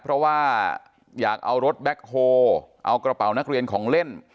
เพราะว่าอยากเอารถแบ็คโฮลเอากระเป๋านักเรียนของเล่น